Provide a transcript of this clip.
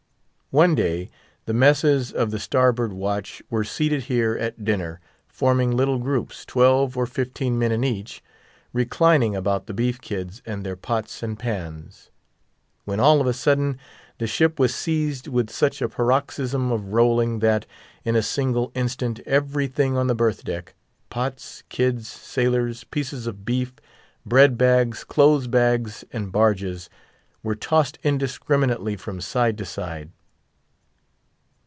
One day, the messes of the starboard watch were seated here at dinner; forming little groups, twelve or fifteen men in each, reclining about the beef kids and their pots and pans; when all of a sudden the ship was seized with such a paroxysm of rolling that, in a single instant, everything on the berth deck—pots, kids, sailors, pieces of beef, bread bags, clothes bags, and barges—were tossed indiscriminately from side to side.